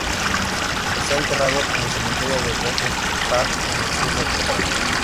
Está enterrado en el cementerio de Behesht-e Zahra, en el sur de Teherán.